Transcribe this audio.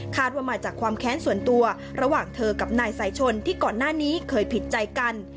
ว่ามาจากความแค้นส่วนตัวระหว่างเธอกับนายสายชนที่ก่อนหน้านี้เคยผิดใจกัน